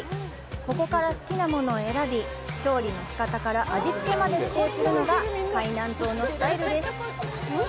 ここから好きなものを選び、調理の仕方から味付けまで指定するのが海南島のスタイルです。